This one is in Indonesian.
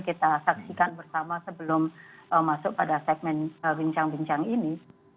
kita saksikan bersama sebelum masuk pada segmen bincang bincang ini